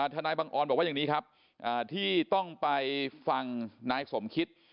นายบังออนบอกว่าอย่างนี้ครับที่ต้องไปฟังนายสมคิต